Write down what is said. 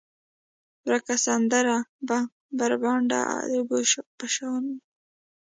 ورکه سندره به، بربنډه د اوبو په شانې،